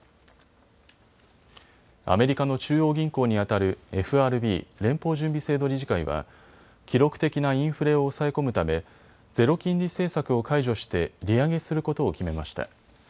アメリカの中央銀行にあたるＦＲＢ・連邦準備制度理事会は記録的なインフレを抑え込むためゼロ金利政策を解除して利上げすることを決めました。